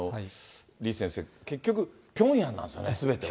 李先生、結局、ピョンヤンなんですね、すべては。